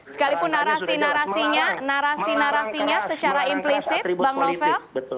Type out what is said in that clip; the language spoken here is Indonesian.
sekalipun narasi narasinya secara implisit bang novel